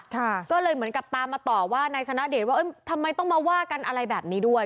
ก็เลยเหมือนกับตามมาต่อว่านายชนะเดชว่าเอ้ยทำไมต้องมาว่ากันอะไรแบบนี้ด้วย